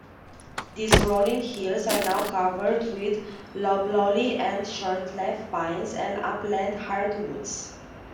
These rolling hills are now covered with loblolly and shortleaf pines, and upland hardwoods.